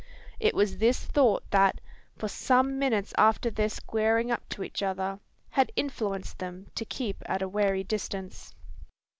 It was this thought that for some minutes after their squaring up to each other had influenced them to keep at a wary distance.